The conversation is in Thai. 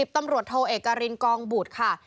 ตำรวจโทเอกรินกองบุตรค่ะ